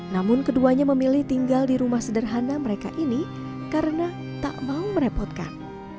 namun keduanya memilih tinggal di rumah sederhana mereka ini karena tak mau merepotkan